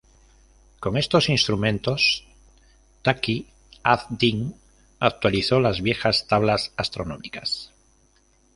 Con estos instrumentos, Taqi ad-Din actualizó las viejas tablas astronómicas.